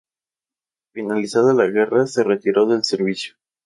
Finalizada la guerra, se retiró del servicio.